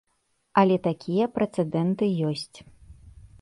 Але такія прэцэдэнты ёсць.